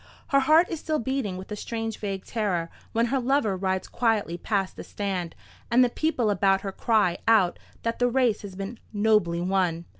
Her heart is still beating with a strange vague terror, when her lover rides quietly past the stand, and the people about her cry out that the race has been nobly won.